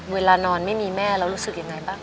เวลานอนไม่มีแม่เรารู้สึกยังไงบ้าง